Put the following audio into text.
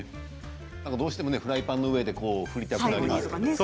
どうしてもフライパンの上で振りたくなりますけどね。